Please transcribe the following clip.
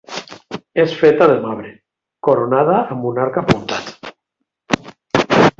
És feta de marbre, coronada amb un arc apuntat.